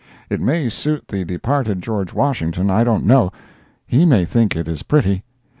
It may suit the departed George Washington—I don't know. He may think it is pretty.